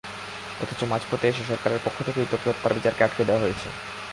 অথচ মাঝপথে এসে সরকারের পক্ষ থেকেই ত্বকী হত্যার বিচারকে আটকে দেওয়া হয়েছে।